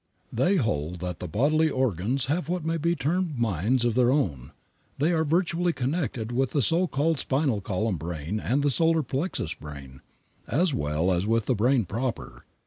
They hold that the bodily organs have what may be termed minds of their own, and are vitally connected with the so called spinal column brain and the solar plexus brain, as well as with the brain proper.